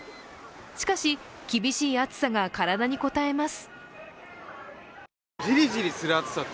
しかし、厳しい暑さが体にこたえます。